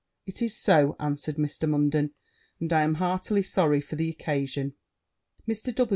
'It is so,' answered Mr. Munden; 'and I am heartily sorry for the occasion.' Mr.